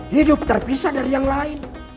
hidup terpisah dari yang lain